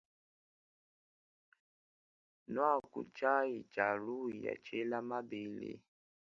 Nuaku tshiayi tshia luya tshiela mabele.